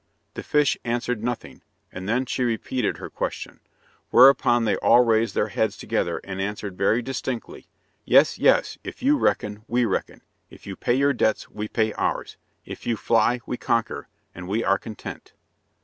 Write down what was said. The fish answered nothing, and then she repeated her question, whereupon they all raised their heads together and answered very distinctly, "Yes, yes. If you reckon, we reckon. If you pay your debts, we pay ours. If you fly, we conquer, and we are content."